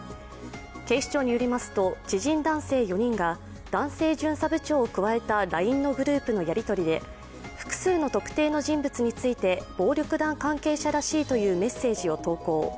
警視庁によりますと知人男性４人が男性巡査部長を加えたＬＩＮＥのグループのやり取りで複数の特定の人物について暴力団関係者らしいというメッセージを投稿。